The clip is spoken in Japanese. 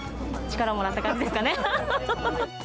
力もらった感じですかね。